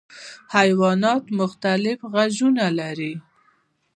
حیوانات مختلف غږونه لري.